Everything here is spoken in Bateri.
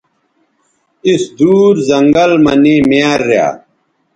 اِس دُور زنگل مہ نے میار ریا